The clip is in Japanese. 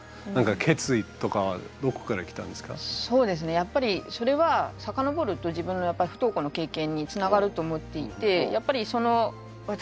やっぱりそれは遡ると自分のやっぱり不登校の経験につながると思っていてやっぱりその私